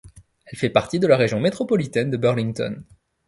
Elle fait partie de la région métropolitaine de Burlington.